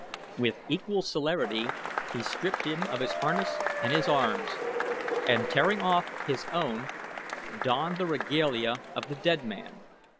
With equal celerity he stripped him of his harness and his arms, and tearing off his own, donned the regalia of the dead man.